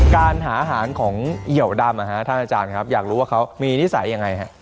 การหาอาหารของเหยียวดำท่านอาจารย์ครับอยากรู้ว่าเขามีนิสัยยังไงฮะ